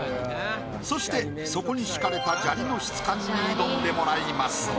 そして底に敷かれた砂利の質感に挑んでもらいます。